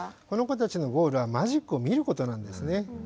この子たちのゴールはマジックを見ることなんですね。